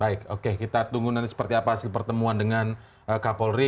baik oke kita tunggu nanti seperti apa hasil pertemuan dengan kapolri